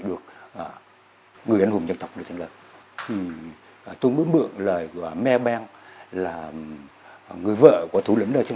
được người anh hùng dân tộc ở trần lân tôi muốn mượn lời của mèo ben là người vợ của thủ lĩnh ở trần